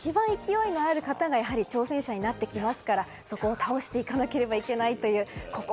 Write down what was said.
今、勢いのある方が挑戦者になってきますからそこを倒していかなければいけないという。